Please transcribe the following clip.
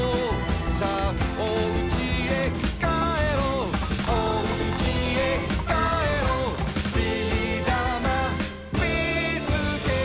「さあおうちへ帰ろう」「おうちへ帰ろう」「ビーだまビーすけー」